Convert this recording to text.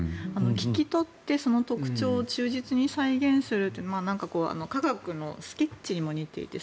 聞き取ってその特徴を忠実に再現するという科学のスケッチにも似ていて。